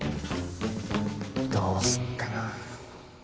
どうすっかな。